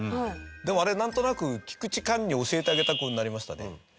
でもあれなんとなく菊池寛に教えてあげたくなりましたね。